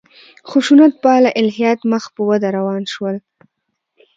خشونت پاله الهیات مخ په وده روان شول.